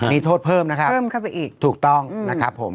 มีโทษเพิ่มนะครับเพิ่มเข้าไปอีกถูกต้องนะครับผม